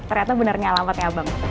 ternyata benernya alamat ya bang